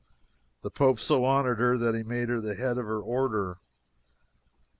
The Pope so honored her that he made her the head of her order.